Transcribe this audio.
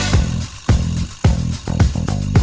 มีวันหยุดเอ่ออาทิตย์ที่สองของเดือนค่ะ